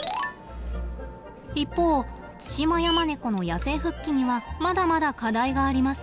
一方ツシマヤマネコの野生復帰にはまだまだ課題があります。